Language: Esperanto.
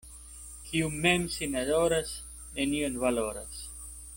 Kiu mem sin adoras, nenion valoras.